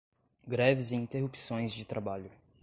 Greves e Interrupções de Trabalho